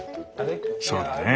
そうだね。